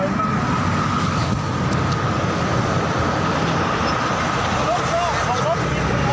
รถส่องของรถยิงของรถ